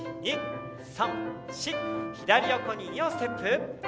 左横に、２歩ステップ。